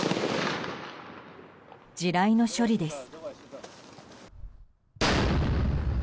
地雷の処理です。